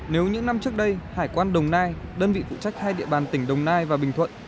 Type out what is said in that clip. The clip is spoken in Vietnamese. nếu những năm trước đây hải quan đồng nai đơn vị phụ trách hai địa bàn tỉnh đồng nai và bình thuận